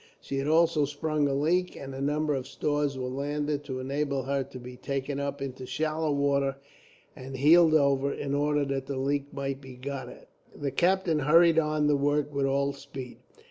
She had also sprung a leak, and a number of stores were landed, to enable her to be taken up into shallow water and heeled over, in order that the leak might be got at. The captain hurried on the work with all speed.